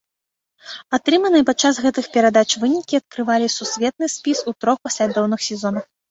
Атрыманыя падчас гэтых перадач вынікі адкрывалі сусветны спіс у трох паслядоўных сезонах.